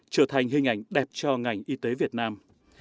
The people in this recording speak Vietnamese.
trở thành hình ảnh đẹp cho ngành y tế việt nam